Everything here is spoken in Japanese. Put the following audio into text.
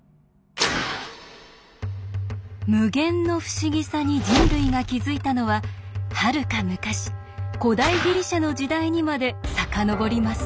無限の不思議さに人類が気付いたのははるか昔古代ギリシャの時代にまで遡ります。